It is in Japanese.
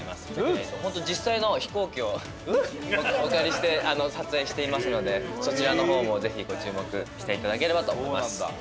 本当実際の飛行機をお借りして撮影していますのでそちらの方もぜひご注目していただければと思います。